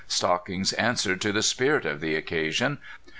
Stockings answered to the spirit of the occasion.